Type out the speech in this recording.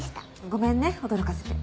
ごめんね驚かせて。